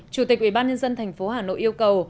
chủ tịch ubnd tp hà nội yêu cầu